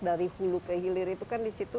dari hulu ke hilir itu kan disitu